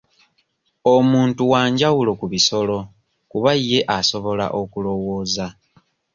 Omuntu wanjawulo ku bisolo kuba ye asobola okulowooza.